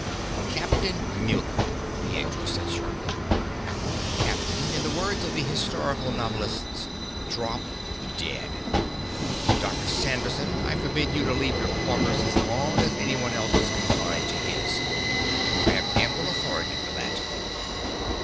"Captain Muller," Pietro said sharply. "Captain, in the words of the historical novelists drop dead! Dr. Sanderson, I forbid you to leave your quarters so long as anyone else is confined to his. I have ample authority for that."